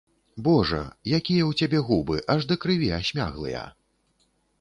Божа, якія ў цябе губы, аж да крыві асмяглыя.